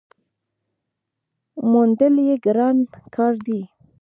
موندل یې ګران کار دی .